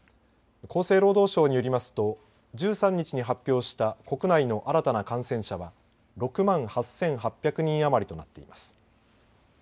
厚生労働省によりますと１３日に発表した国内の新たな感染者は６万８８００人余りとなっています。